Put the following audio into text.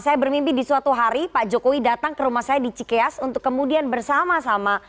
saya bermimpi di suatu hari pak jokowi datang ke rumah saya di cikeas untuk kemudian bersama sama